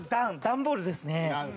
段ボールですね。